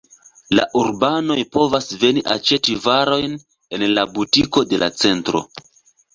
La urbanoj povas veni aĉeti varojn en la butiko de la centro.